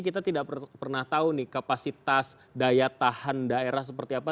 kita tidak pernah tahu nih kapasitas daya tahan daerah seperti apa